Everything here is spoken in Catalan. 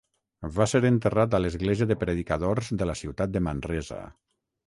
Va ser enterrat a l'església de Predicadors de la ciutat de Manresa.